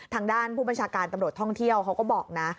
ทางด้านผู้บัญชาการตำรวจท่องเที่ยวเขาก็บอกนะ